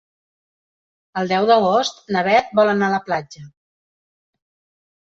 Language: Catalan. El deu d'agost na Beth vol anar a la platja.